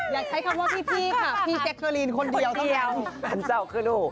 ยังใช้คำว่าพี่ครับพี่เจคลินคนเดียวเท่านั้น